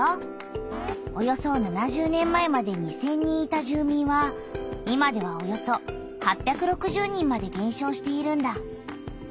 およそ７０年前まで２，０００人いた住みんは今ではおよそ８６０人までげん少しているんだ。